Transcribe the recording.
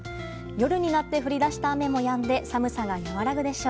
夜になって降り出した雨もやんで寒さが和らぐでしょう。